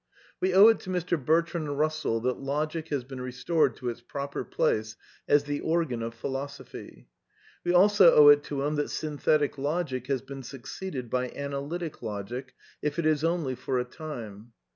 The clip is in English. We owe it to Mr. Bertrand Bussell that Logic has been y restored to its proper place as the organ of philosophy. We also owe it to him that Synthetic Logic has been suc ceeded by Analytic Logic, if it is only for a time.